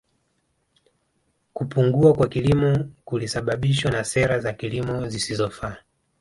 Kupungua kwa kilimo kulisababishwa na sera za kilimo zisizofaa